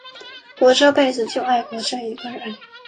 我这辈子就爱过这一个人。